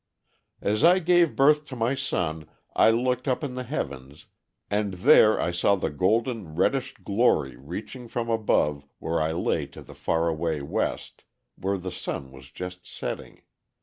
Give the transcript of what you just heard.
"As I gave birth to my son, I looked up in the heavens and there I saw the golden reddish glory reaching from above where I lay to the faraway west, where the sun was just setting.